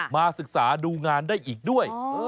มาศึกษาดูงานได้อีกด้วย